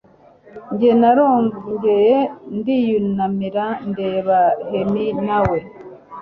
Njyenarongeye ndiyunamira ndeba Henry nawe